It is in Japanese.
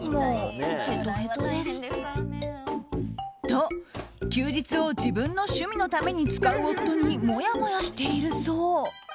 と、休日を自分の趣味のために使う夫にもやもやしているそう。